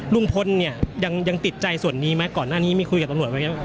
ลุงพลเนี่ยยังติดใจส่วนนี้ไหมก่อนหน้านี้มีคุยกับตำรวจไหมครับ